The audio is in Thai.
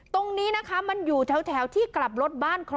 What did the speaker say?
ตรงนี้มันอยู่แถวที่กลับรถบ้าน